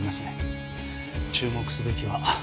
注目すべきは。